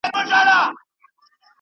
مستي پیدا شي